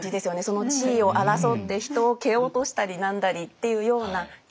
その地位を争って人を蹴落としたり何だりっていうようなイメージです。